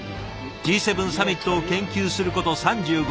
Ｇ７サミットを研究すること３５年。